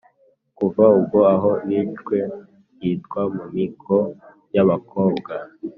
kuva ubwo aho biciwe hitwa "mu miko y'abakobwa”.